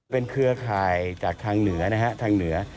เป็นเครือข่ายจากทางเหนือนะฮะทางเหนือ